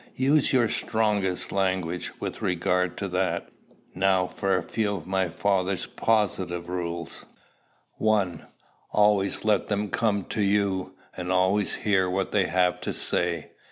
Use your strongest language with regard to that. Now for a few of my father's positive rules: 1. Always let them come to you, and always hear what they have to say.